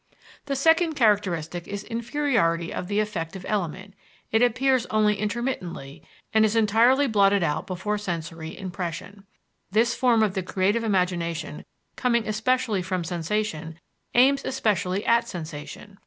The second characteristic is inferiority of the affective element; it appears only intermittently and is entirely blotted out before sensory impression. This form of the creative imagination, coming especially from sensation, aims especially at sensation.